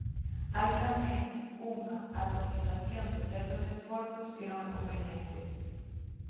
Hai tamén unha atomización de certos esforzos que non é conveniente...